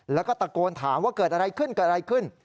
แล้วก็ตะโกนถามว่าเกิดอะไรขึ้น